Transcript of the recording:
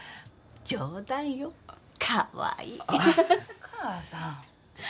お母さん。